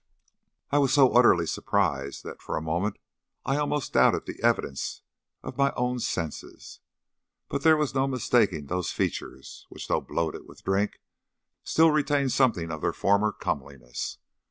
I was so utterly surprised that for a moment I almost doubted the evidence of my own senses; but there was no mistaking those features, which, though bloated with drink, still retained something of their former comeliness.